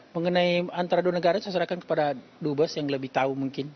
mengenai antara dua negara saya serahkan kepada dubes yang lebih tahu mungkin